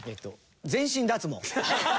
全身脱毛。